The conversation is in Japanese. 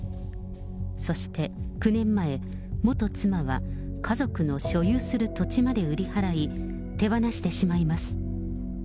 そして９年前、元妻は家族の所有する土地まで売り払い、手放してしまいます。